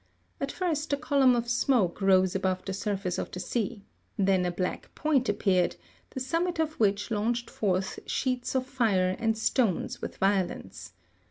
At first a column of smoke rose above the surface of the sea ; then a black point appeared, the smmit of which launched forth sheets of fire and stones with violence.